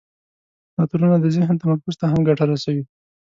عطرونه د ذهن تمرکز ته هم ګټه رسوي.